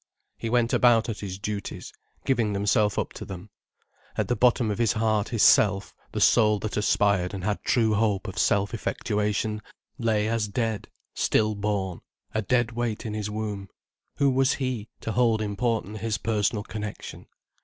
He went about at his duties, giving himself up to them. At the bottom of his heart his self, the soul that aspired and had true hope of self effectuation lay as dead, still born, a dead weight in his womb. Who was he, to hold important his personal connection?